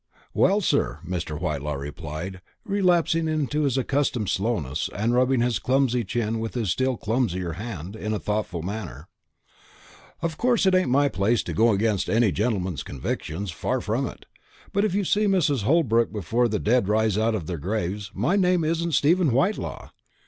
"Well, sir," Mr. Whitelaw replied, relapsing into his accustomed slowness, and rubbing his clumsy chin with his still clumsier hand, in a thoughtful manner, "of course it ain't my place to go against any gentleman's convictions far from it; but if you see Mrs. Holbrook before the dead rise out of their graves, my name isn't Stephen Whitelaw.